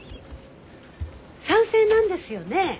賛成なんですよね